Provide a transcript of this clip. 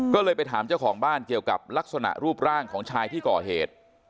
ก็เลยไปถามเจ้าของบ้านเกี่ยวกับลักษณะรูปร่างของชายที่ก่อเหตุ